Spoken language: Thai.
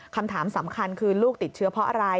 คำถามสำคัญคือลูกติดเชื้อเพราะอะไร